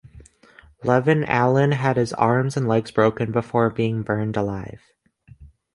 Levin Allen had his arms and legs broken before being burned alive.